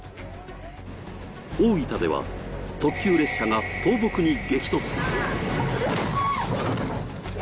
大分では、特急列車が倒木に激突。